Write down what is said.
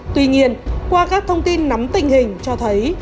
tuy nhiên qua các thông tin nắm tình hình cho thấy